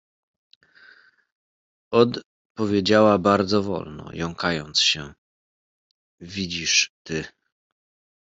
Od powiedziała bardzo wolno, jąkając się: — Widzisz, ty.